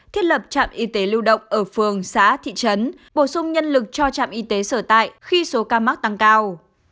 thiết lập trạm y tế lưu động ở phường xã thị trấn bổ sung nhân lực cho trạm y tế sở tại khi số ca mắc tăng cao